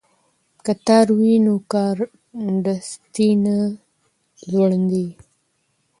که تار وي نو کارډستي نه ځوړندیږي.